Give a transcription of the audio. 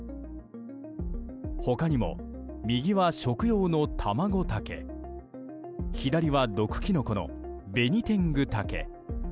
他にも、右は食用のタマゴタケ左は毒キノコのベニテングタケ。